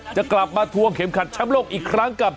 จะกลับมาทวงเข็มขัดแชมป์โลกอีกครั้งกับ